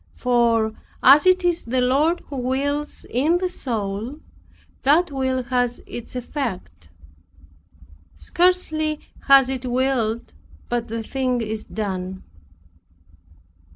For as it is the Lord who wills in the soul, that will has its effect. Scarcely has it willed but the thing is done.